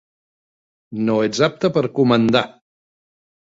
No ets apte per comandar.